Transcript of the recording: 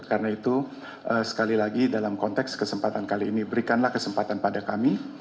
karena itu sekali lagi dalam konteks kesempatan kali ini berikanlah kesempatan pada kami